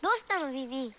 ビビ。